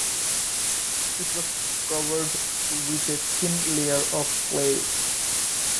It was covered with a thin layer of clay.